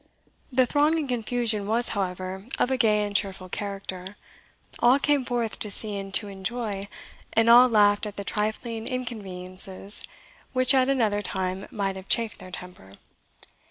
The throng and confusion was, however, of a gay and cheerful character. All came forth to see and to enjoy, and all laughed at the trifling inconveniences which at another time might have chafed their temper.